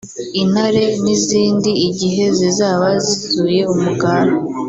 intare n’izindi igihe zizaba zizuye umugara”